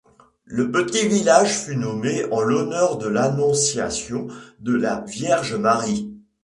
Le petit village fut nommé en l'honneur de l'Annonciation de la Vierge Marie.